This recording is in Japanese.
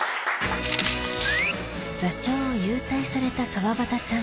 座長を勇退された川畑さん